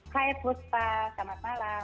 hai putra selamat malam